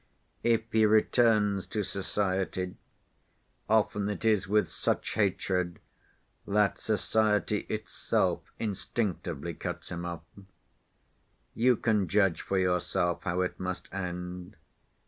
If he returns to society, often it is with such hatred that society itself instinctively cuts him off. You can judge for yourself how it must end.